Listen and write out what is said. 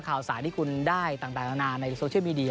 ข่าวสายที่คุณได้ต่างนานาในโซเชียลมีเดีย